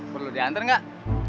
perlu diantar gak